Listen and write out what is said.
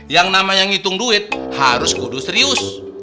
yang namanya ngitung duit harus kudus serius